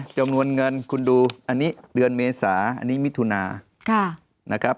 จำนวนเงินคุณดูอันนี้เดือนเมษาอันนี้มิถุนานะครับ